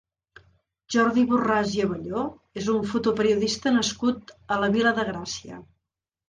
Jordi Borràs i Abelló és un fotoperiodista nascut a la Vila de Gràcia.